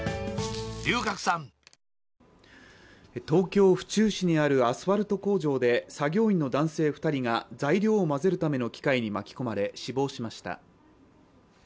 東京・府中市にあるアスファルト工場で作業員の男性２人が材料を混ぜるための機械に巻き込まれ死亡しました。